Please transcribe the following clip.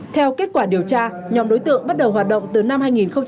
theo kết quả điều tra nhóm đối tượng bắt đầu hoạt động từ năm hai nghìn một mươi ba